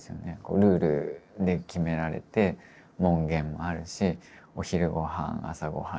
ルールで決められて門限もあるしお昼ごはん朝ごはん